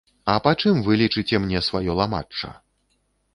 А па чым вы лічыце мне сваё ламачча?